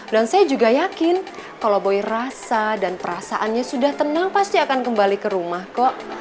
dan saya juga yakin kalau boy rasa dan perasaannya sudah tenang pasti akan kembali ke rumah kok